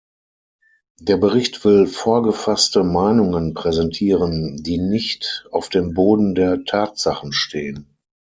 Der Bericht will vorgefasste Meinungen präsentieren, die nicht auf dem Boden der Tatsachen stehen.